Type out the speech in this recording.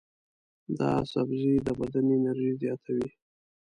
دا سبزی د بدن انرژي زیاتوي.